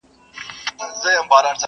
دا چي تللي زموږ له ښاره تر اسمانه,